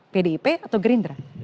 pdip atau gerindra